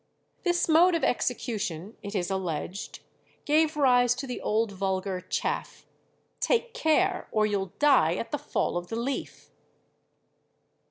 This mode of execution, it is alleged, gave rise to the old vulgar "chaff," "Take care, or you'll die at the fall of the leaf."